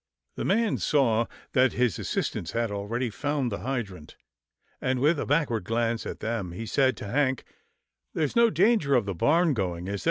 The man saw that his assistants had already found the hydrant, and with a backward glance at them, he said to Hank, " There's no danger of the barn going, is there